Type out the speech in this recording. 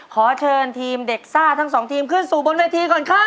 ขอเชิญทีมเด็กซ่าทั้งสองทีมขึ้นสู่บนเวทีก่อนครับ